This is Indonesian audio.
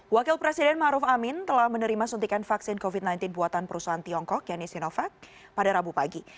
wakil presiden maruf amin telah menerima suntikan vaksin covid sembilan belas buatan perusahaan tiongkok yaitu sinovac pada rabu pagi